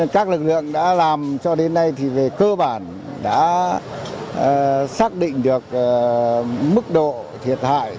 các lực lượng đã làm cho đến nay thì về cơ bản đã xác định được mức độ thiệt hại